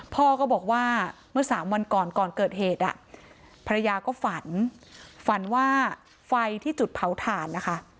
พ่อก็บอกว่าเมื่อสามวันก่อนก่อนเกิดเหตุอ่ะภรรยาก็ฝันฝันว่าไฟที่จุดเผาถ่านนะคะ